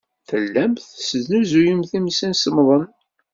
Tellamt tesnuzuyemt imsisemḍen.